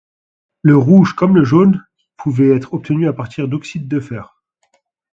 Le rouge, comme le jaune, pouvait être obtenu à partir d'oxyde de fer.